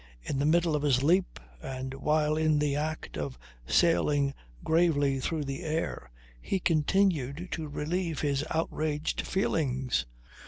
In the middle of his leap, and while in the act of sailing gravely through the air, he continued to relieve his outraged feelings.